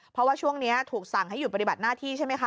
เพราะว่าช่วงนี้ถูกสั่งให้หยุดปฏิบัติหน้าที่ใช่ไหมคะ